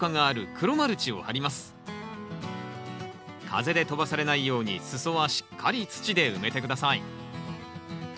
風で飛ばされないように裾はしっかり土で埋めて下さい。